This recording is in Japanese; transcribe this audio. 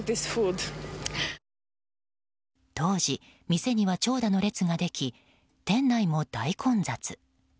当時、店には長蛇の列ができ店内も大混雑。